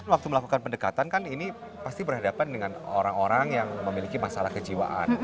waktu melakukan pendekatan kan ini pasti berhadapan dengan orang orang yang memiliki masalah kejiwaan